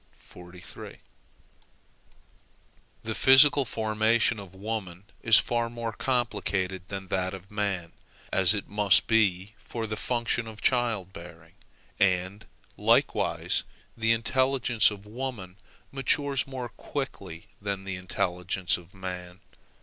The physical formation of woman is far more complicated than that of man, as it must be for the function of child bearing, and likewise the intelligence of woman matures more quickly than the intelligence of man.